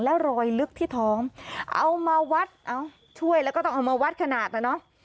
และรอยลึกที่ท้องเอามาวัดเอ้าช่วยแล้วก็ต้องเอามาวัดขนาดนะเนอะ